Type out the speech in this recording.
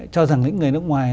cho rằng những người nước ngoài